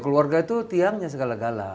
keluarga itu tiangnya segala gala